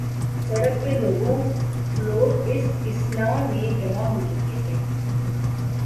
سڑک پہ لوگ اس اثناء میں جمع ہوچکے تھے۔